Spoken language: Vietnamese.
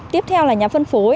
tiếp theo là nhà phân phối